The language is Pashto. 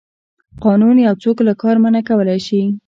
قانون یو څوک له کار منع کولی شي.